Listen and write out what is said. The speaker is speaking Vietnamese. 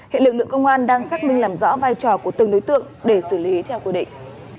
hệ lực lượng công an đang xác minh làm rõ vai trò của từng đối tượng để xử lý theo quy định